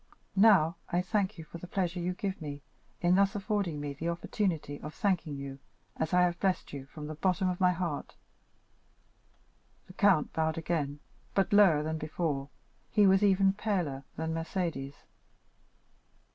Now, I thank you for the pleasure you give me in thus affording me the opportunity of thanking you as I have blessed you, from the bottom of my heart." The count bowed again, but lower than before; he was even paler than Mercédès.